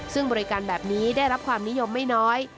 ซึ่งบริการแบบนี้ได้รับความนิยมไม่น้อย